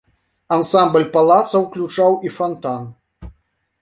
Ансамбль палаца ўключаў і фантан.